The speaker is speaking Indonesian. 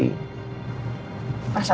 terus elsa dipanggil polisi